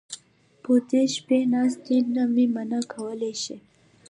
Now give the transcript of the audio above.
پو دې شي ناستې نه مې منع کولی شي.